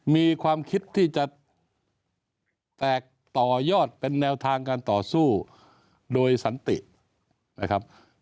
มีความคิดที่จะแตกต่อยอดเป็นแนวทางการต่อสู้โดยสันตินะครับ